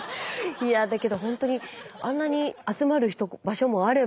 いやぁだけどほんとにあんなに集まる場所もあれば。